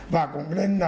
và cũng nên là